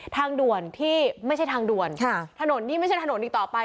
ทางดวนที่ไม่ใช่ทางดวนมันไม่ใช่ทางดวนนี่อีกต่อไป